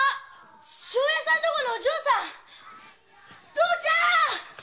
父ちゃん！